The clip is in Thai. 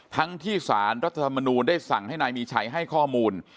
ทั้งที่สารรัฐธรรมนูลได้สั่งให้นายมีชัยให้ข้อมูล